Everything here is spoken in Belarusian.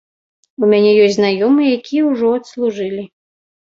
У мяне есць знаёмыя, якія ўжо адслужылі.